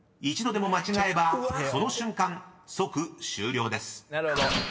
［一度でも間違えればその瞬間即終了です］